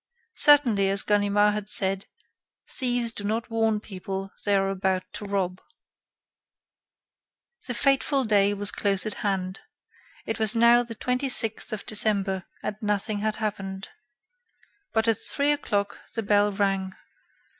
Certainly, as Ganimard had said, thieves do not warn people they are about to rob. The fateful day was close at hand. It was now the twenty sixth of September and nothing had happened. But at three o'clock the bell rang.